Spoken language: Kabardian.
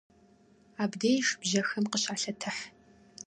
Абдеж бжьэхэм къыщалъэтыхь.